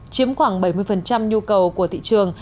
chiếm khoảng bảy mươi nhu cầu của thị trường